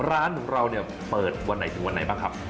ร้านของเราเนี่ยเปิดวันไหนถึงวันไหนบ้างครับ